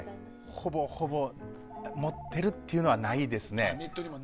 ほぼ、ほぼ持っているというのはないですね。